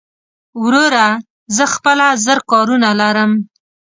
وروره زه خپله زر کارونه لرم